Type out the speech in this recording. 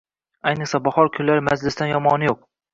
Ayniqsa bahor kunlari majlisdan yomoni yo‘q!